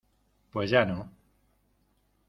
pues ya no.